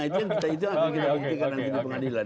itu yang akan kita buktikan di pengadilan